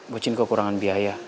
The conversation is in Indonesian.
bu cin kekurangan biaya